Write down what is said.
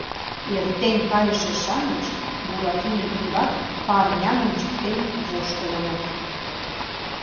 Эртен кайыше-шамыч Буратино ӱмбак парням ончыктен воштылыныт.